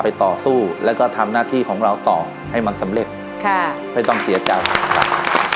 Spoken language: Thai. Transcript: ต่อสู้แล้วก็ทำหน้าที่ของเราต่อให้มันสำเร็จค่ะไม่ต้องเสียใจครับ